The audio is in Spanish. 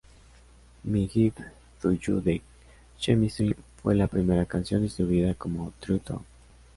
My Gift to You de Chemistry fue la primera canción distribuida como True tone.